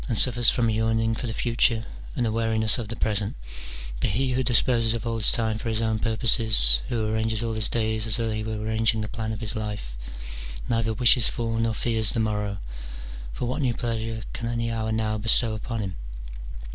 299 suffers from a yearning for the future, and a weariness of the present : but he who disposes of all his time for his own purposes, who arranges all his days as though he were arranging the plan of his life, neither wishes for nor fears the morrow : for what new pleasure can any hour now bestow upon him